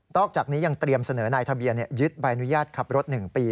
อกจากนี้ยังเตรียมเสนอนายทะเบียนยึดใบอนุญาตขับรถ๑ปี